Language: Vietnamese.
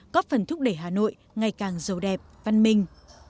góp phần thúc đẩy hà nội ngày càng giàu đẹp văn minh